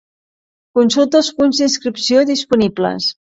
Consulta els punts d'inscripció disponibles.